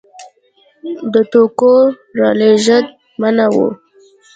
د توکو رالېږد منع و.